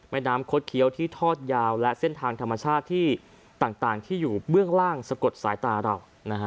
แม่น้ำคดเคี้ยวที่ทอดยาวและเส้นทางธรรมชาติที่ต่างที่อยู่เบื้องล่างสะกดสายตาเรา